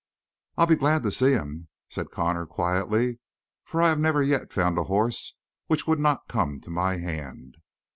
"I'll be glad to see him," said Connor quietly. "For I have never yet found a horse which would not come to my hand."